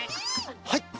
はい！